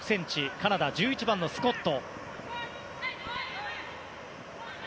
カナダ、１１番のスコット。